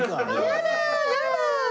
やだ！